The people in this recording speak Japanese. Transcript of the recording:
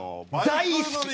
大好き！